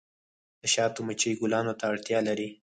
د شاتو مچۍ ګلانو ته اړتیا لري